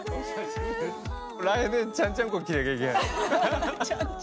来年ちゃんちゃんこ着なきゃいけない。